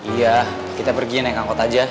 iya kita pergi neng angkot aja